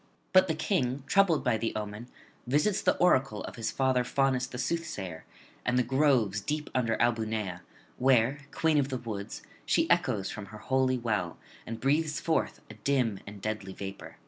But the King, troubled by the omen, visits the oracle of his father Faunus the soothsayer, and the groves deep under Albunea, where, queen of the woods, she echoes from her holy well, and breathes forth a dim and deadly vapour.